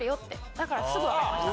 だからすぐわかりました。